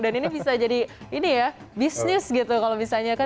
dan ini bisa jadi ini ya bisnis gitu kalau misalnya kan